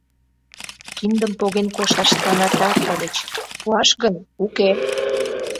Киндым поген кошташ танатар ыльыч, пуаш гын, уке!..